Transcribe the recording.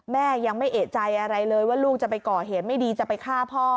แม่ยังไม่เอกใจอะไรเลยว่าลูกจะไปก่อเหตุไม่ดีจะไปฆ่าพ่อ